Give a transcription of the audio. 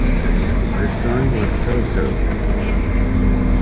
The song was so-so.